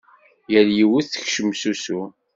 Yal yiwet tekcem s usu-s.